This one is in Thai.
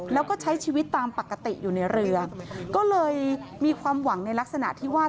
แล้วก็ใช้ชีวิตตามปกติอยู่ในเรือก็เลยมีความหวังในลักษณะที่ว่า